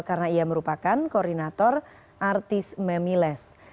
karena ia merupakan koordinator artis memiles